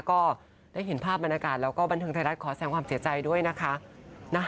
ก็ได้เห็นภาพบรรยากาศแล้วก็บันเทิงไทยรัฐขอแสงความเสียใจด้วยนะคะ